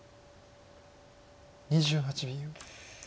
２８秒。